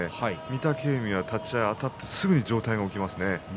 御嶽海は立ち合いあたってすぐに上体、起きましたね。